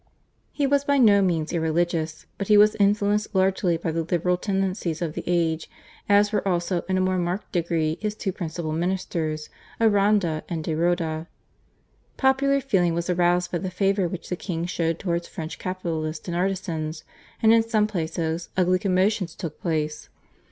He was by no means irreligious, but he was influenced largely by the liberal tendencies of the age, as were also in a more marked degree his two principal ministers Aranda and de Roda. Popular feeling was aroused by the favour which the king showed towards French capitalists and artisans, and in some places ugly commotions took place.